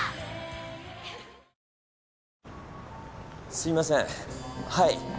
すいませんはい。